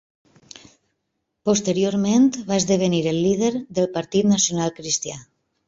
Posteriorment va esdevenir el líder del Partit Nacional Cristià.